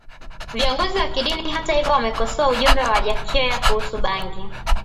Viongozi wa kidini hata hivyo wamekosoa ujumbe wa Wajackoya kuhusu bangi